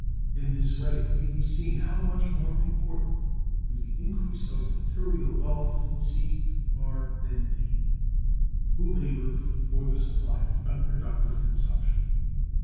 In this way it may be seen how much more important to the increase of material wealth C are than D, who labor "for the supply of unproductive consumption."